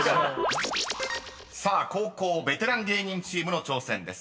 ［さあ後攻ベテラン芸人チームの挑戦です］